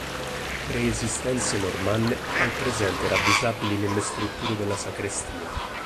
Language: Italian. Preesistenze normanne al presente ravvisabili nelle strutture della sacrestia.